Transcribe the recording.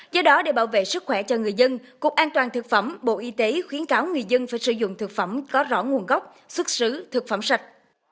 do đó để bảo vệ sức khỏe cho người dân cục an toàn thực phẩm bộ y tế khuyến cáo người dân phải sử dụng thực phẩm có rõ nguồn gốc xuất xứ thực phẩm sạch